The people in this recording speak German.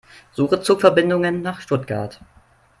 Suche Zugverbindungen nach Stuttgart.